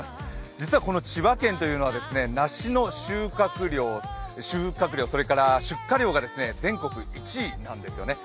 実はこの千葉県という宇野は梨の収穫量、それから出荷量が全国１位なんですよね。